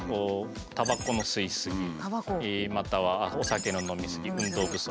たばこの吸い過ぎまたはお酒の飲み過ぎ運動不足